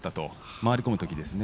回り込むときですね。